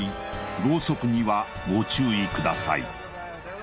ロウソクにはご注意ください